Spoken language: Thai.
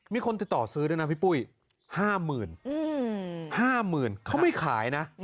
มีคนติดต่อซื้อด้วยนะพี่ปุ้ย๕๕๐๐๐เขาไม่ขายนะ